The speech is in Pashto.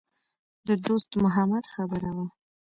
د دوست محمد خبره وه.